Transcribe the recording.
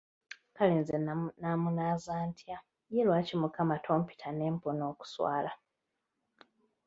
Kale nze naamunaaza ntya, ye lwaki mukama tompita ne mpona okuswala?